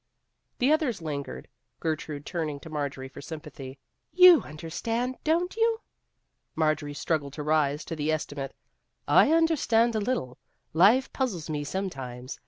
The others lingered, Gertrude turning to Marjorie for sympathy. "You under stand, don't you?" Marjorie struggled to rise to the esti mate. " I understand a little. Life puz zles me sometimes.